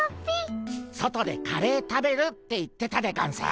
外でカレー食べるって言ってたでゴンス。